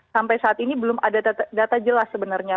sampai saat ini belum ada data jelas sebenarnya